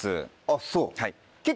あっそう。